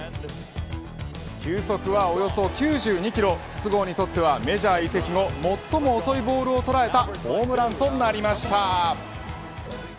球速はおよそ９２キロ筒香にとってはメジャー移籍後最も遅いボールを捉えたホームランとなりました。